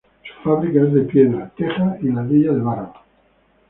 Su fábrica es de piedra, teja y ladrillo de barro.